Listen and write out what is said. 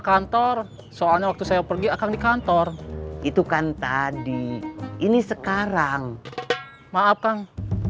kantor soalnya waktu saya pergi akan di kantor itu kan tadi ini sekarang maaf kang